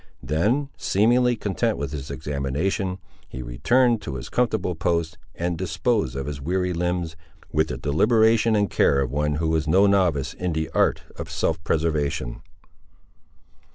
Then, seemingly content with his examination, he returned to his comfortable post and disposed of his weary limbs, with the deliberation and care of one who was no novice in the art of self preservation.